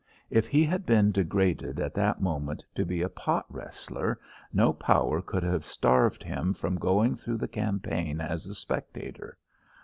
If he had been degraded at that moment to be a pot wrestler, no power could have starved him from going through the campaign as a spectator.